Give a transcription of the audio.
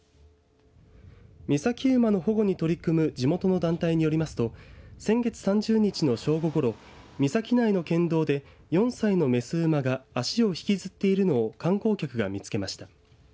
岬馬の保護に取り組む地元の団体によりますと先月３０日の正午ごろ岬内の県道で４歳の雌馬が足を引きずっているのを観光客が見つけました。